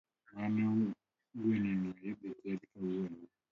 Mano guenono idhi tedi kawuono